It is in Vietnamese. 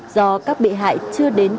do các bị hại chưa đến cơ hội